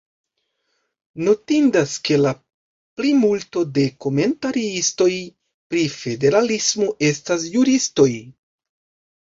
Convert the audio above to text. Notindas, ke la plimulto de komentariistoj pri federalismo estas juristoj.